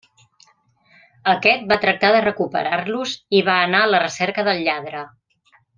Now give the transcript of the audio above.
Aquest va tractar de recuperar-los i va anar a la recerca del lladre.